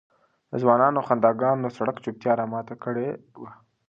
د ځوانانو خنداګانو د سړک چوپتیا را ماته کړې وه.